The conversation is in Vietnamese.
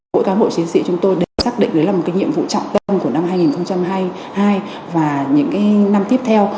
mỗi cán bộ chiến sĩ chúng tôi đều xác định đấy là một nhiệm vụ trọng tâm của năm hai nghìn hai mươi hai và những năm tiếp theo